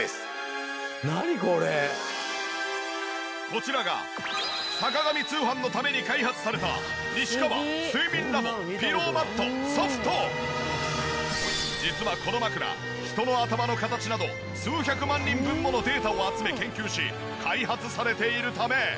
こちらが『坂上通販』のために開発された実はこの枕人の頭の形など数百万人分ものデータを集め研究し開発されているため。